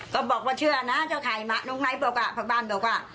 ก็บอกว่าเชื่อนะเจ้าไข่มาน้องไนท์บอกว่าผักบ้านบอกว่า